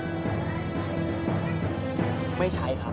ครับมีแฟนเขาเรียกร้อง